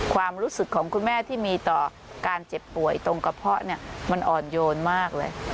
ความรู้สึกของคุณแม่ที่มีต่อการเจ็บป่วยตรงกระเพาะเนี่ยมันอ่อนโยนมากเลย